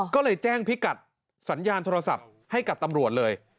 ก็เลยแจ้งพิกัดสัญญาณโทรศัพท์ให้กับตำรวจเลย